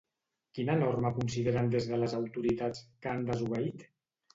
Quina norma consideren des de les autoritats que han desobeït?